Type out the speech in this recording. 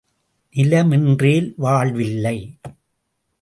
நிலமின்றேல் வாழ்வு இல்லை.